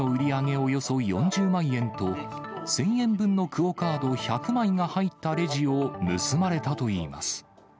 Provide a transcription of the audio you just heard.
およそ４０万円と、１０００円分のＱＵＯカード１００枚が入ったレジを盗まれたといいます。